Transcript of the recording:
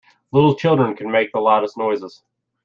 Little children can make the loudest noises.